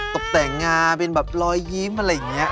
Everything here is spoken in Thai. ตกแต่งงาเป็นแบบรอยยิ้มอะไรอย่างนี้